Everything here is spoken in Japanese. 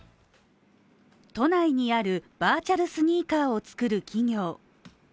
都内にあるバーチャルスニーカーを作る企業。